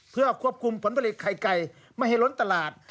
เพื่อควบคุมผลผลิตไข่ไก่ไม่ให้ล้นตลาด